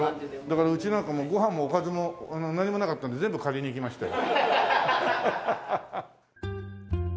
だからうちなんかもうご飯もおかずも何もなかったんで全部借りに行きましたよ。